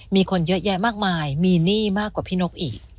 มีคนเยอะแยะมากมายมีหนี้มากกว่าพี่นกอีก